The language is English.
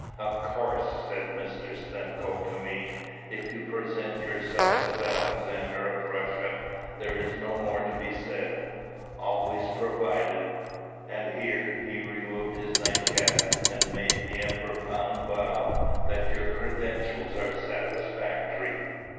"Of course," said Mr. Stimcoe to me, "if you present yourself as Alexander of Russia, there is no more to be said, always provided" and here he removed his nightcap and made me a profound bow "that your credentials are satisfactory."